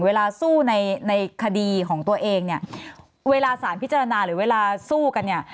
เวลาสู้ในในคดีของตัวเองเนี่ยเวลาสารพิจารณาหรือเวลาสู้กันเนี่ย